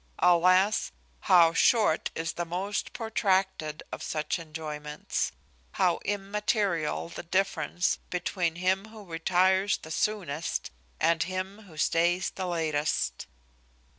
Alas! how short is the most protracted of such enjoyments! how immaterial the difference between him who retires the soonest, and him who stays the latest!